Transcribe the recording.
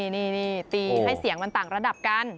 นี่ตีให้เสียงมันต่างระดับกัน